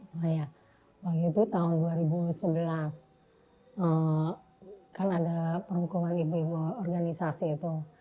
oh iya waktu itu tahun dua ribu sebelas kan ada perhukuman ibu ibu organisasi itu